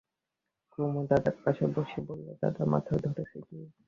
কুমু দাদার পাশে বসে বললে, দাদা, মাথা ধরেছে কি?